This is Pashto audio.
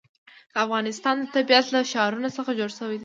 د افغانستان طبیعت له ښارونه څخه جوړ شوی دی.